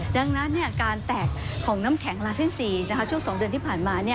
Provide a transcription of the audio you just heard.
ดังนั้นการแตกของน้ำแข็งลาเซ็นซีช่วง๒เดือนที่ผ่านมา